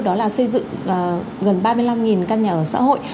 đó là xây dựng gần ba mươi năm căn nhà ở xã hội